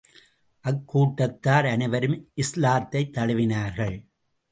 அக்கூட்டத்தார் அனைவரும் இஸ்லாத்தைத் தழுவினார்கள்.